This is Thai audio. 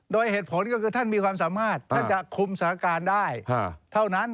โดยเหตุผลก็คือท่านมีความสามารถท่านจะคุมสถานการณ์ได้เท่านั้น